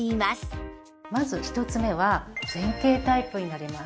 まず１つ目は前傾タイプになります。